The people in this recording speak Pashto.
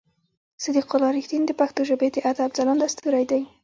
صديق الله رښتين د پښتو ژبې د ادب ځلانده ستوری دی.